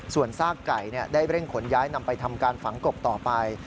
ส่วนซากไก่ได้เร่งขนย้ายนำไปทำการฝังกบต่อไป